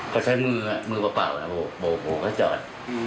เขาใช้มือมือเปล่าโบกก็จอด